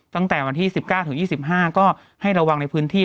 ตั้งแต่วันที่๑๙ถึง๒๕ก็ให้ระวังในพื้นที่